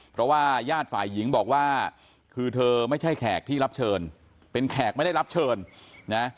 เพราะว่าญาติฝ่ายหญิงบอกว่าคือเธอไม่ใช่แขกที่รับเชิญเป็นแขกไม่ได้รับเชิญนะ